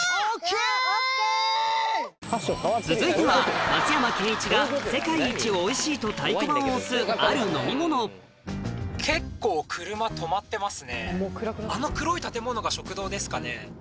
続いては松山ケンイチが世界一おいしいと太鼓判を押すある飲み物って書いてあります。